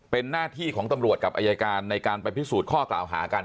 เป็นหน้าที่ของตำรวจกับอายการในการไปพิสูจน์ข้อกล่าวหากัน